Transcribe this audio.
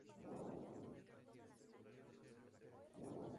Por otra parte, lidia con las consecuencias de la confesión de Barry.